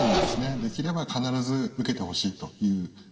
できれば必ず受けてほしいという思いですね。